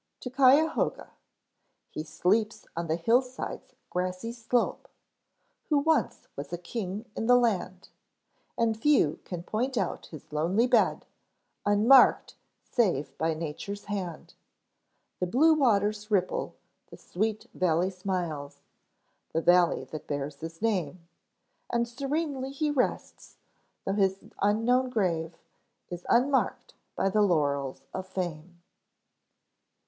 TO CUYAHOGA. He sleeps on the hillside's grassy slope, Who once was a king in the land; And few can point out his lonely bed, Unmarked save by Nature's hand; The blue waters ripple, the sweet valley smiles, The valley that bears his name, And serenely he rests, tho' his unknown grave Is unmarked by the laurels of fame.